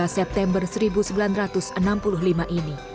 dua puluh september seribu sembilan ratus enam puluh lima ini